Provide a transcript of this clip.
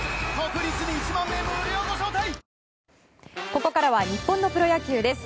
ここからは日本のプロ野球です。